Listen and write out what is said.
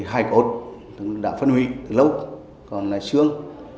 thì hai cột đã phân huy từ lâu còn là xương